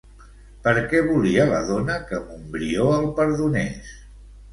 Per què volia la dona que Montbrió el perdonés?